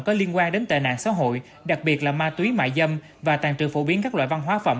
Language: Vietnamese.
có liên quan đến tệ nạn xã hội đặc biệt là ma túy mại dâm và tàn trừ phổ biến các loại văn hóa phẩm